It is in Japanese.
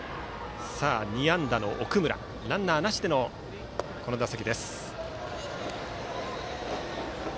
２安打の奥村ランナーなしでの打席。